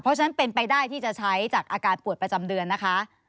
เพราะฉะนั้นเป็นไปได้ที่จะใช้จากอาการปวดประจำเดือนนะคะ